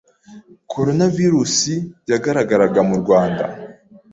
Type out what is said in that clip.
Coronavirus yagaragaraga mu Rwanda,